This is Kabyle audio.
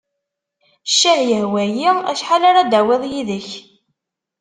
Ccah yehwa-yi. Acḥal ara d-tawiḍ yid-k?